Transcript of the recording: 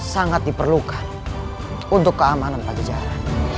sangat diperlukan untuk keamanan pajak